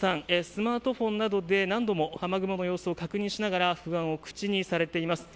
スマートフォンなどで何度も雨雲の様子を確認しながら不安を口にされています。